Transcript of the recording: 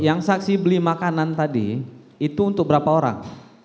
yang saksi beli makanan tadi itu untuk berapa orang